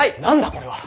これは。